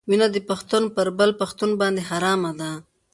وینه د پښتون پر بل پښتون باندې حرامه ده.